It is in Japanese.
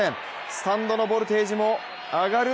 スタンドのボルテージも上がる。